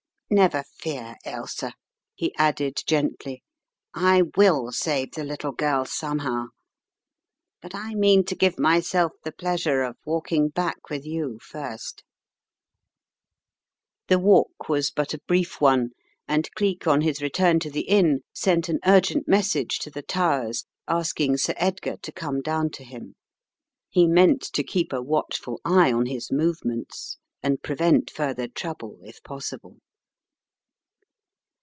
Never fear, Ailsa," he added, gently, "I will save the little girl somehow, but I mean to give myself the pleasure of walking bade with you first. 99 110 The Riddle of the Purple Emperor The walk was but a brief one, and Cleek on his return to the inn sent an urgent message to the Towers asking Sir Edgar to come down to him. He meant to keep a watchful eye on his movements and prevent further trouble if possible.